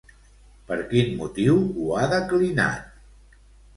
Per quin motiu ho ha declinat?